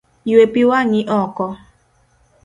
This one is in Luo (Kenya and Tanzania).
Ywe pi wang'i oko.